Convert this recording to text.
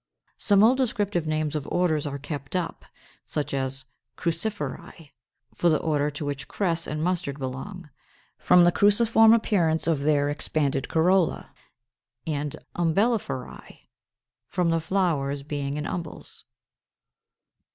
Some old descriptive names of orders are kept up, such as Cruciferæ for the order to which Cress and Mustard belong, from the cruciform appearance of their expanded corolla, and Umbelliferæ, from the flowers being in umbels.